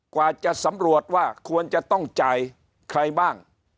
กว่าจะสำรวจว่าควรจะต้องจ่ายใครบ้าง